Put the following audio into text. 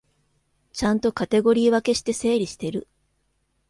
ちゃんとカテゴリー分けして整理してる